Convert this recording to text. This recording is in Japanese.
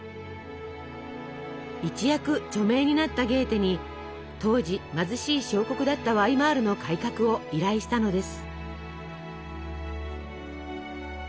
一躍著名になったゲーテに当時貧しい小国だったワイマールの改革を依頼したのです。